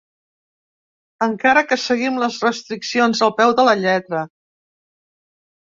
Encara que seguim les restriccions al peu de la lletra.